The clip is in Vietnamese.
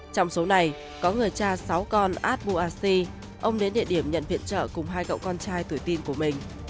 trong số này có người cha sáu con adbu asi ông đến địa điểm nhận viện trợ cùng hai cậu con trai tuổi tin của mình